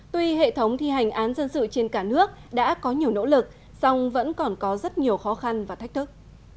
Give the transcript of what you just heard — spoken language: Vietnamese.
tuy hệ thống thi hành án dân sự trên cả nước đã có nhiều nỗ lực song vẫn còn có rất nhiều khó khăn và thách thức